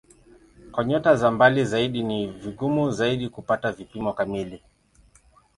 Kwa nyota za mbali zaidi ni vigumu zaidi kupata vipimo kamili.